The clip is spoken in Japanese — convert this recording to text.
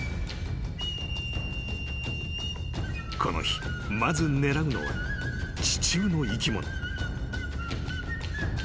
［この日まず狙うのは地中の生き物］